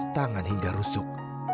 tangan hingga rusuk